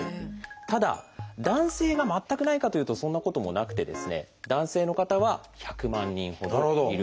ただ男性が全くないかというとそんなこともなくて男性の方は１００万人ほどいるという。